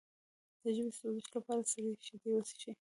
د ژبې د سوزش لپاره سړې شیدې وڅښئ